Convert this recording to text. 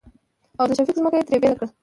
او د شفيق ځمکه يې ترې بيله کړه.